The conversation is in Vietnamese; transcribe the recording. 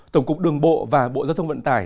tổng cục đường bộ và bộ giao thông vận tải